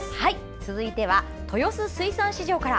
続いては豊洲水産市場から。